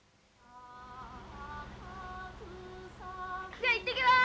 じゃあいってきます！